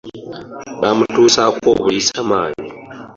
Bamutuusaako obulisa maanyi.